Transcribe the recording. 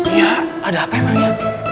iya ada apa emang ya